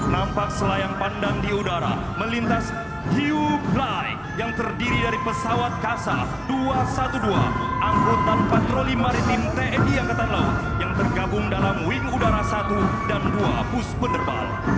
nampak selayang pandang di udara melintas view fly yang terdiri dari pesawat kasa dua ratus dua belas angkutan patroli maritim tni angkatan laut yang tergabung dalam wing udara satu dan dua bus penerbal